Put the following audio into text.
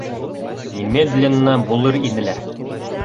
Немедленно булыр ине лә.